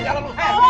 jalan ya bener